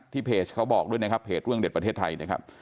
เพจเขาบอกด้วยนะครับเพจเรื่องเด็ดประเทศไทยนะครับ